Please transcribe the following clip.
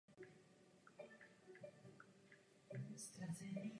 F. Cattini.